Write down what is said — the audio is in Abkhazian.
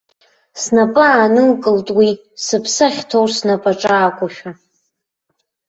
Снапы аанылкылт уи, сыԥсы ахьҭоу снапаҿы акәушәа.